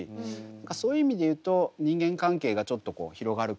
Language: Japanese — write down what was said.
そういう意味で言うと人間関係がちょっと広がるから。